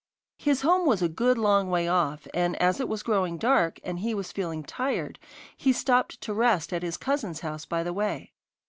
His home was a good long way off, and as it was growing dark, and he was feeling tired, he stopped to rest at his cousin's house by the way.